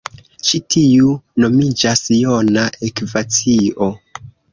Ĉi tiu nomiĝas jona ekvacio.